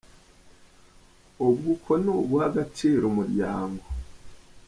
Ubwo uko ni uguha agaciro umuryango!